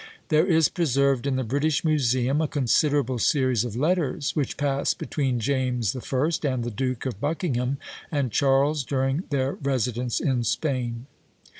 There is preserved in the British Museum a considerable series of letters which passed between James I. and the Duke of Buckingham and Charles, during their residence in Spain.